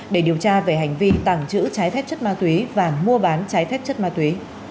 để điều tra về hành vi tàng trữ trái phép chất ma túy và mua bán trái phép chất ma túy